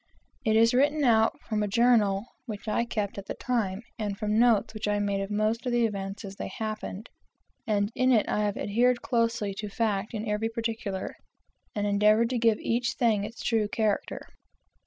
It is written out from a journal which I kept at the time, and from notes which I made of most of the events as they happened; and in it I have adhered closely to fact in every particular, and endeavored to give each thing its true character.